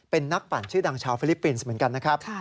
เป็นนักปั่นชื่อดังชาวฟิลิปปินส์เหมือนกันนะครับ